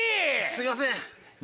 すいません。